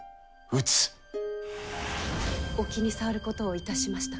お気に障ることをいたしましたか？